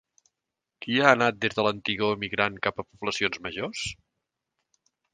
Qui ha anat des de l'antigor emigrant cap a poblacions majors?